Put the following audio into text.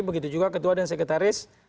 begitu juga ketua dan sekretaris